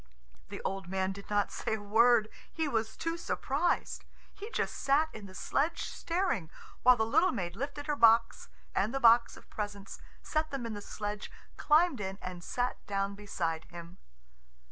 The old man did not say a word. He was too surprised. He just sat in the sledge staring, while the little maid lifted her box and the box of presents, set them in the sledge, climbed in, and sat down beside him.